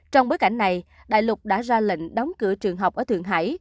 trong bối cảnh này đại lục đã ra lệnh đóng cửa trường học ở thượng hải